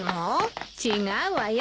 違うわよ。